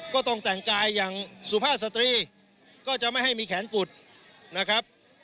ก็ต้องแต่งกายอย่างสุภาพสตรีก็จะไม่ให้มีแขนกุดนะครับ